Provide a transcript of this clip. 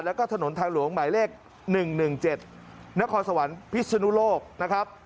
แล้วก็ถนนทางหลวงหมายเลข๑๑๗นครสวรรค์พิศนุโลกนะครับ